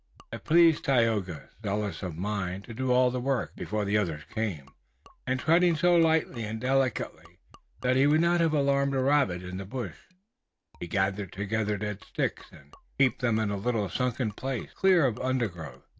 It pleased Tayoga, zealous of mind, to do all the work before the others came, and, treading so lightly and delicately, that he would not have alarmed a rabbit in the bush, he gathered together dead sticks and heaped them in a little sunken place, clear of undergrowth.